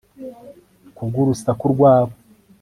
ku bw urusaku rwabo